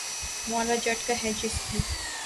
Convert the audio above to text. ’مولا جٹ‘ کا ہے جس کی